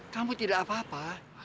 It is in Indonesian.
kamu tidak apa apa